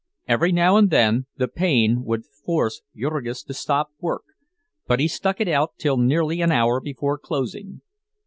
Every now and then the pain would force Jurgis to stop work, but he stuck it out till nearly an hour before closing.